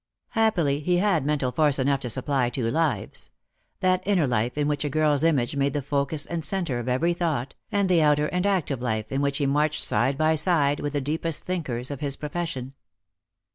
Happily he had mental force enough to supply two lives — that inner life in which a girl's image made the focus and centre of every thought, and the outer and active life in which he marched side by side with the deepest thinkers of his profession.